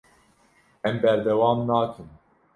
Em berdewam nakin.